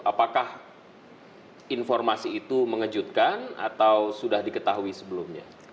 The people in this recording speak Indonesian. apakah informasi itu mengejutkan atau sudah diketahui sebelumnya